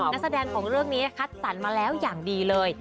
นักแสดงของเรื่องนี้คัดสรรมาแล้วอย่างดีเลย